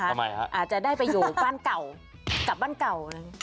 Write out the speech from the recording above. ทำไมฮะอาจจะได้ไปอยู่บ้านเก่ากลับบ้านเก่า